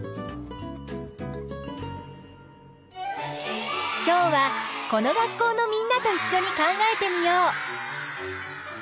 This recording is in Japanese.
種を今日はこの学校のみんなといっしょに考えてみよう！